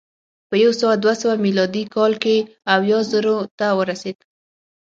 په یو سوه دوه سوه میلادي کال کې اویا زرو ته ورسېد